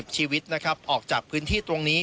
ชีวิตนะครับออกจากพื้นที่ตรงนี้